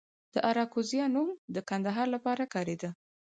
د اراکوزیا نوم د کندهار لپاره کاریده